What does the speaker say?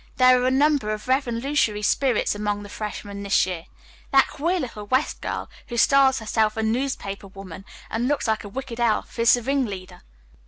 "There are a number of revolutionary spirits among the freshmen this year. That queer little West girl, who styles herself a 'newspaper woman' and looks like a wicked little elf, is the ringleader."